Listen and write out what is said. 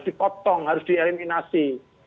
dipotong harus dieliminasi